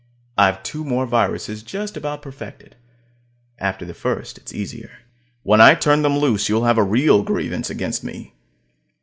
I've two more viruses just about perfected; after the first, it's easier. When I turn them loose, you'll have a real grievance against me.